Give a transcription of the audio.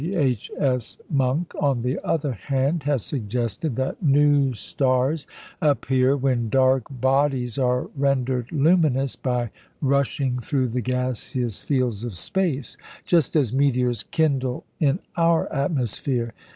W. H. S. Monck, on the other hand, has suggested that new stars appear when dark bodies are rendered luminous by rushing through the gaseous fields of space, just as meteors kindle in our atmosphere.